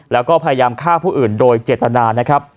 แล้วก็พยายามฆ่าผู้อื่นโดยเจตนานะครับ